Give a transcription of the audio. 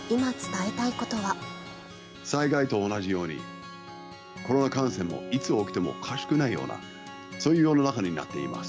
災害と同じように、コロナ感染もいつ起きてもおかしくないような、そういう世の中になっています。